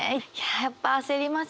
やっぱ焦りますし。